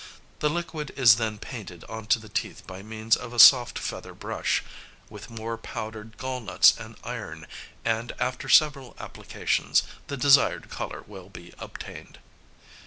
The liquid is then painted on to the teeth by means of a soft feather brush, with more powdered gallnuts and iron, and, after several applications, the desired colour will be obtained."